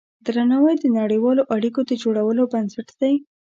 درناوی د نړیوالو اړیکو د جوړولو بنسټ دی.